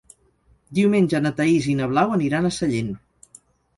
Diumenge na Thaís i na Blau aniran a Sallent.